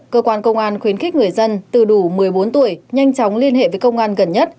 cơ quan công an khuyến khích người dân từ đủ một mươi bốn tuổi nhanh chóng liên hệ với công an gần nhất